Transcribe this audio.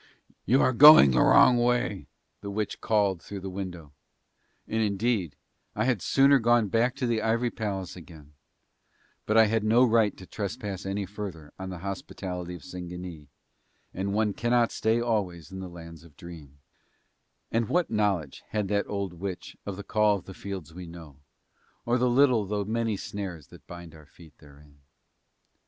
"You are going the wrong way," the witch called through the window; and indeed I had no sooner gone back to the ivory palace again, but I had no right to trespass any further on the hospitality of Singanee and one cannot stay always in the Lands of Dream, and what knowledge had that old witch of the call of the fields we know or the little though many snares that bind our feet therein?